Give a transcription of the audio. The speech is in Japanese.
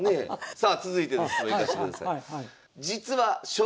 さあ続いての質問いかしてください。